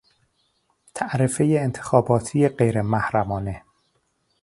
تعرفهی انتخاباتی غیرمحرمانه